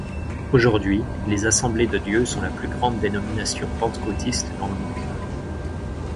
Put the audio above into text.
Aujourd'hui, les Assemblées de Dieu sont la plus grande dénomination pentecôtiste dans le monde.